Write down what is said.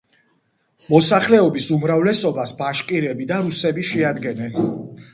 მოსახლეობის უმრავლესობას ბაშკირები და რუსები შეადგენენ.